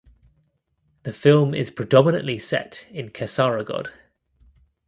The film is predominantly set in Kasaragod.